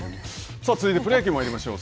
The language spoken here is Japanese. さあ、続いてプロ野球に参りましょう。